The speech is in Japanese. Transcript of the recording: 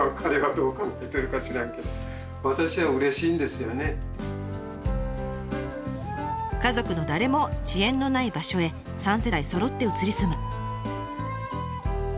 それがね家族の誰も地縁のない場所へ３世代そろって移り住む。